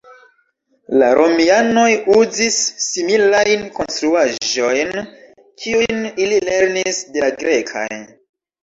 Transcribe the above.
La Romianoj uzis similajn konstruaĵojn, kiujn ili lernis de la grekaj.